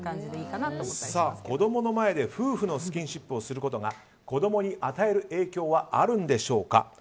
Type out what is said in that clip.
子供の前で夫婦のスキンシップをすることが子供に与える影響はあるんでしょうか。